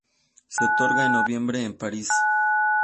Se otorga en noviembre en París.